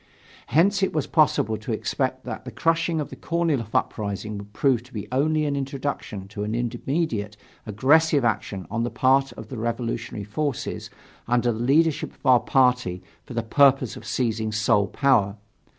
Hence it was possible to expect that the crushing of the Korniloff uprising would prove to be only an introduction to an immediate aggressive action on the part of the revolutionary forces under the leadership of our party for the purpose of seizing sole power.